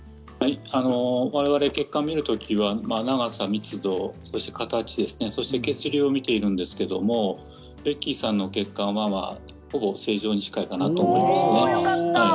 我々、血管を見る時は長さ、密度、形、そして血流を見ているんですけれどもベッキーさんの血管はほぼ正常に近いかなと思いますね。